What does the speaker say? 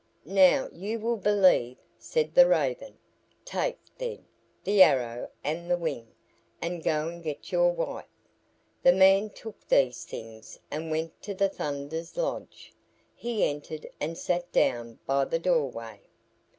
"Now you will believe," said the Raven. "Take, then, the arrow and the wing, and go and get your wife." The man took these things and went to the Thunder's lodge. He entered and sat down by the doorway.